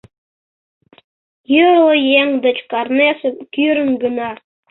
Йорло еҥ деч карнесым кӱрын гына.